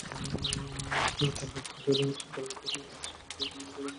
তার ডান হাত তোমার গালে পড়বে, যদি তুমি চুপ না করো।